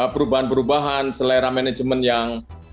perubahan perubahan selera manajemen yang